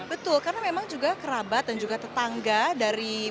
betul karena memang juga kerabat dan juga tetangga dari bobby nasution dan juga